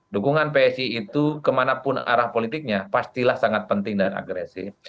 dukungan psi itu kemanapun arah politiknya pastilah sangat penting dan agresif